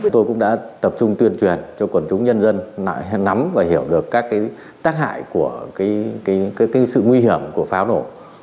tôi cũng đã tập trung tuyên truyền cho quần chúng nhân dân nắm và hiểu được các tác hại của sự nguy hiểm của pháo nổ